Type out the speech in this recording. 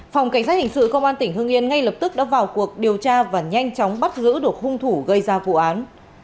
phòng cảnh sát hình sự công an tỉnh hương yên ngay lập tức đã vào cuộc điều tra và nhanh chóng bắt giữ được hung thủ gây ra vụ án